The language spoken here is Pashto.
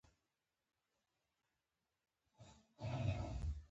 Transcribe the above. پوخ عمر ته له رسېدو وروسته دا کار وکړي.